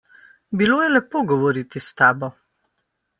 Bilo je lepo govoriti s tabo.